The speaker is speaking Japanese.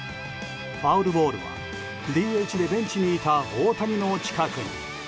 ファウルボールはＤＨでベンチにいた大谷の近くに。